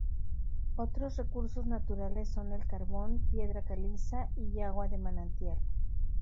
Otros recursos naturales son el carbón, piedra caliza y agua de manantial.